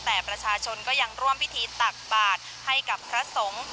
แต่ประชาชนก็ยังร่วมพิธีตักบาทให้กับพระสงฆ์